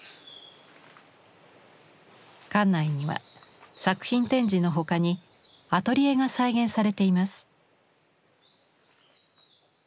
館内には作品展示の他にアトリエが再現されています。